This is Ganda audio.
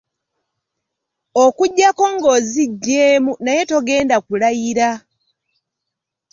Okuggyako ng’oziggyeemu naye togenda kulayira.